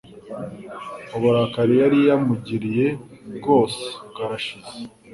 uburakari yari yamugiriye bwose bwarashize